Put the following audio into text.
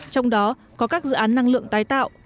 trong đó có các dự án năng lượng tái tạo